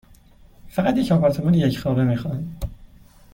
فقط یک آپارتمان یک خوابه می خواهم.